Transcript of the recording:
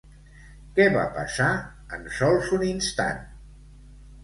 Què va passar en sols un instant?